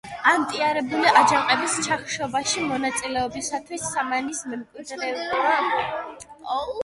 ანტიარაბული აჯანყების ჩახშობაში მონაწილეობისათვის სამანის მემკვიდრეებმა საგამგებლოდ მიიღეს მავერანაჰრის დიდი ნაწილი.